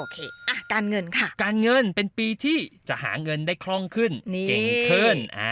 การเงินค่ะการเงินเป็นปีที่จะหาเงินได้คล่องขึ้นเก่งขึ้น